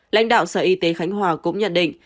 lãnh đạo sở y tế khánh hòa cũng nhận định